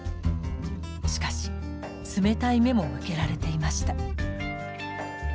しかし冷たい目も向けられていました。